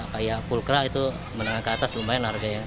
kayak pulkra itu menengah ke atas lumayan harganya